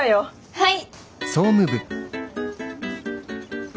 はい。